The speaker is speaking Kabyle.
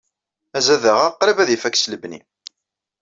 Azadaɣ-a qrib ad ifak s lebni.